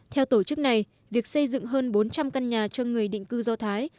theo tổ chức này việc xây dựng hơn bốn trăm linh căn nhà cho người định cư do thái